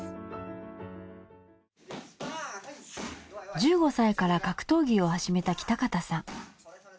１５歳から格闘技を始めた北方さん。